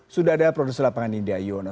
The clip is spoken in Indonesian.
sudah ada produser lapangan nidia yonos